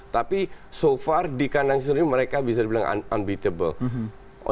tapi sejauh ini di kandang sendiri mereka bisa dibilang unbeatable